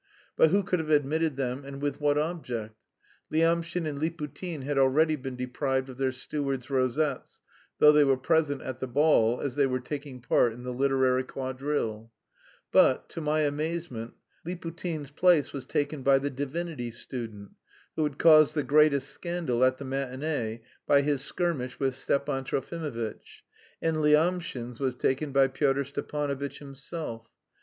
But who could have admitted them, and with what object? Lyamshin and Liputin had already been deprived of their steward's rosettes, though they were present at the ball, as they were taking part in the "literary quadrille." But, to my amazement, Liputin's place was taken by the divinity student, who had caused the greatest scandal at the matinée by his skirmish with Stepan Trofimovitch; and Lyamshin's was taken by Pyotr Stepanovitch himself.